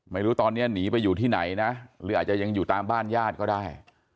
ไม่รู้ตอนนี้หนีไปอยู่ที่ไหนนะหรืออาจจะยังอยู่ตามบ้านญาติก็ได้